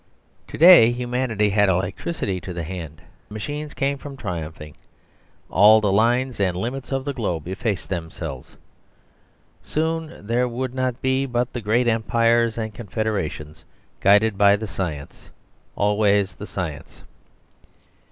To day humanity had electricity to the hand; the machines came from triumphing; all the lines and limits of the globe effaced themselves. Soon there would not be but the great Empires and confederations, guided by the science, always the science.